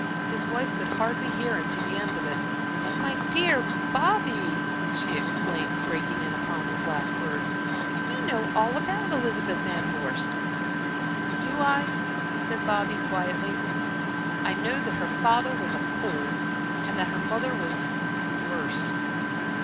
His wife could hardly hear him to the end of it. "But, my dear Bobby" she exclaimed, breaking in upon his last words, "you know all about Elizabeth Van Vorst!" "Do I," said Bobby, quietly. "I know that her father was a fool, and that her mother was worse.